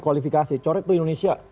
kualifikasi coret tuh indonesia